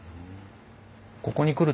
ここに来る